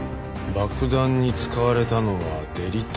爆弾に使われたのはデリタニウム。